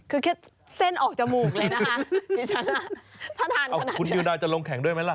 คือแค่เส้นออกจมูกเลยนะคะฟิชั้นอะถ้าทานขนาดเนี่ยอนคุณวิชวิชาลลงแข่งด้วยมั้ยละ